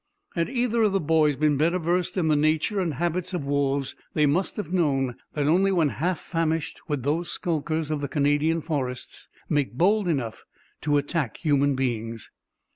Had either of the boys been better versed in the nature and habits of wolves, they must have known that only when half famished would these skulkers of the Canadian forests make bold enough to attack human beings.